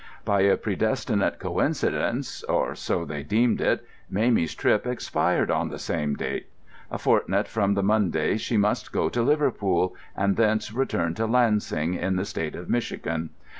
By a predestinate coincidence—or so they deemed it—Mamie's trip expired on the same date. A fortnight from the Monday she must go to Liverpool, and thence return to Lansing, in the State of Michigan.